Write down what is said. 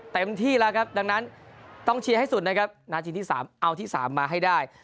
เต็มที่แล้วครับดังนั้นต้องเชียร์ให้สุดนะครับนาทีที่๓เอาที่๓มาให้ได้